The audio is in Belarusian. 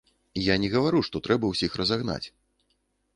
Я не гавару, што трэба ўсіх разагнаць.